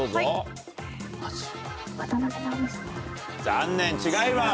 残念違います。